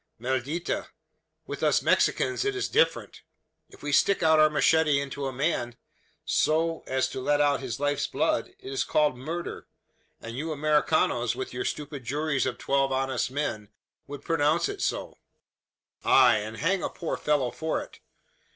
Maldita! With us Mexicans it is different. If we stick our machete into a man so as to let out his life's blood, it is called murder; and you Americanos, with your stupid juries of twelve honest men, would pronounce it so: ay, and hang a poor fellow for it.